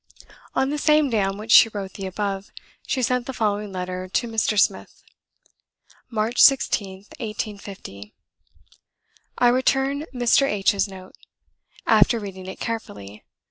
On the same day on which she wrote the above, she sent the following letter to Mr. Smith. "March 16th, 1850. "I return Mr. H 's note, after reading it carefully.